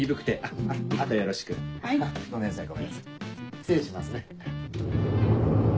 失礼しますね。